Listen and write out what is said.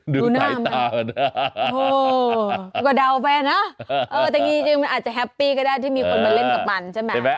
ดูหน้าตานะก็เดาไปนะแต่จริงมันอาจจะแฮปปี้ก็ได้ที่มีคนมาเล่นกับมันใช่ไหม